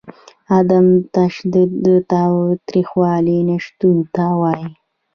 عدم تشدد د تاوتریخوالي نشتون ته وايي.